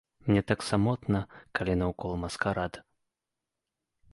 Мне так самотна, калі наўкол маскарад.